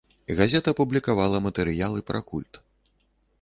Газета публікавала матэрыялы пра культ.